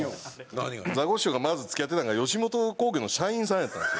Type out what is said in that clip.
ザコシショウがまず付き合ってたのが吉本興業の社員さんやったんですよ。